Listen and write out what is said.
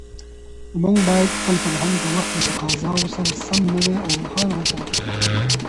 موږ باید خپل فرهنګ د وخت له تقاضاوو سره سم نوی او روښانه وساتو.